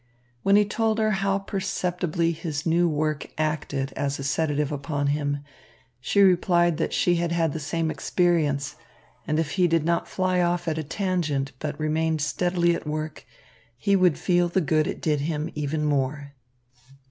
When he told her how perceptibly his new work acted as a sedative upon him, she replied that she had had the same experience, and if he did not fly off at a tangent but remained steadily at the work, he would feel the good it did him even more.